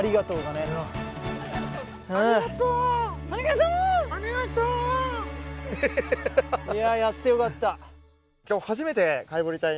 いややってよかった。